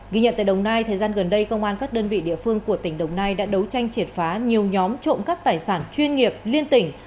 ghi nhận tại đồng nai thời gian gần đây công an các đơn vị địa phương của tỉnh đồng nai đã đấu tranh triệt phá nhiều nhóm trộm cắp tài sản chuyên nghiệp liên tỉnh